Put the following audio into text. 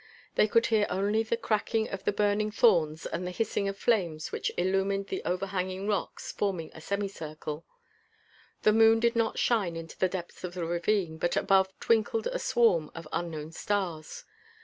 They could hear only the cracking of the burning thorns and the hissing of flames which illumined the overhanging rocks forming a semi circle. The moon did not shine into the depths of the ravine, but above twinkled a swarm of unknown stars.